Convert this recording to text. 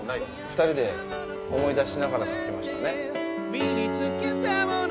２人で思い出しながら書きましたね。